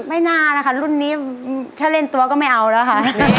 ไม่น่านะคะรุ่นนี้ถ้าเล่นตัวก็ไม่เอาแล้วค่ะ